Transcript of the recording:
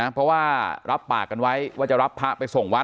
เพราะว่ารับปากกันไว้ว่าจะรับพระไปส่งวัด